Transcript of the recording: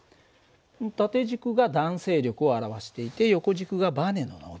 縦軸が弾性力を表していて横軸がばねの伸びなんだ。